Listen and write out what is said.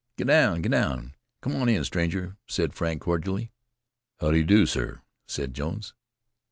"Get down get down, an' come in, stranger, said Frank cordially. "How do you do, sir," said Jones.